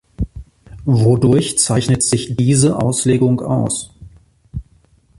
Wodurch zeichnet sich diese Auslegung aus?